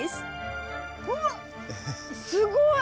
うわっすごい！